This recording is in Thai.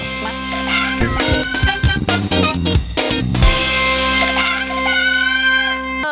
มา